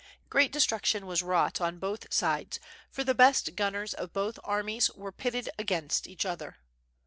Great destruction was wrought on both sides, for the best gunners of both armies were pitted against each other.